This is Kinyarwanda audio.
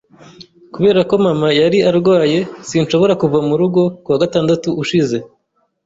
Kubera ko mama yari arwaye, sinshobora kuva mu rugo ku wa gatandatu ushize.